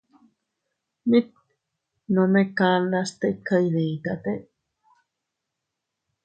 Mit nome kandas tika iyditate.